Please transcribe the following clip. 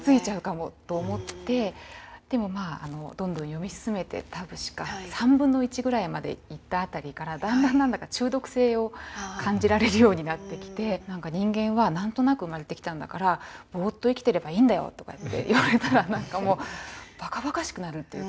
でもまあどんどん読み進めて確か３分の１ぐらいまでいった辺りからだんだん何だか中毒性を感じられるようになってきて「人間は何となく生まれてきたんだからぼーっと生きてればいいんだよ」とかって言われたらばかばかしくなるっていうか。